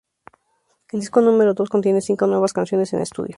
El disco número dos contiene cinco nuevas canciones en estudio.